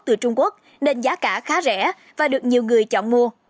từ trung quốc nên giá cả khá rẻ và được nhiều người chọn mua